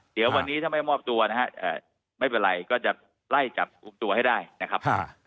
เดี๋ยววันนี้ถ้าไม่มอบตัวนะฮะไม่เป็นไรก็จะไล่จับกลุ่มตัวให้ได้นะครับ